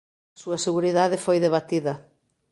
A súa seguridade foi debatida.